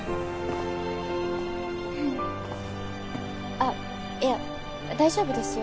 あっいや大丈夫ですよ。